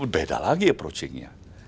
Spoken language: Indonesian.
beda lagi approachingnya